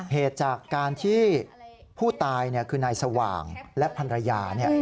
เหตุจากการที่ผู้ตายเนี่ยคือนายสว่างและภรรยาเนี่ย